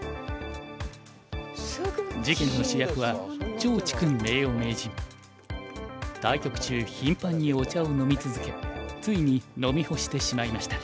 事件の主役は対局中頻繁にお茶を飲みつづけついに飲み干してしまいました。